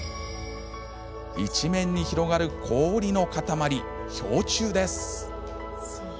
一面に広がる氷の塊、氷柱です。